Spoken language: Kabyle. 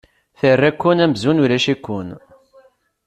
Terra-ken amzun ulac-iken.